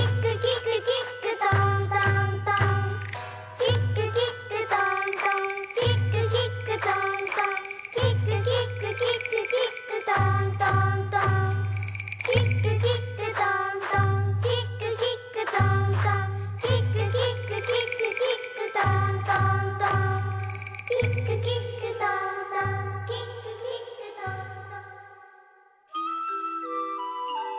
「キックキックトントンキックキックトントン」「キックキックキックキックトントントン」「キックキックトントンキックキックトントン」「キックキックキックキックトントントン」「キックキックトントンキックキックトントン」